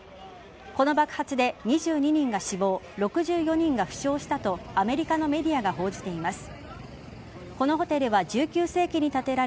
この爆発で２２人が死亡６４人が負傷したとアメリカのメディアが報じています。